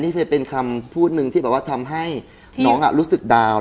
นี่เคยเป็นคำพูดนึงที่ทำให้น้องรู้สึกดาวร์